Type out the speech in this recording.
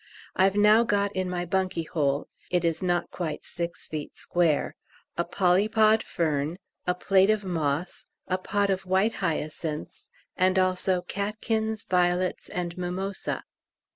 I've now got in my bunky hole (it is not quite six feet square) a polypod fern, a plate of moss, a pot of white hyacinths, and also catkins, violets, and mimosa!